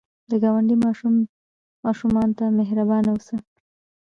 د ګاونډي ماشومانو ته مهربان اوسه